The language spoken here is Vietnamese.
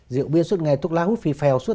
rượu bia suốt ngày thuốc lá hút phì phèo suốt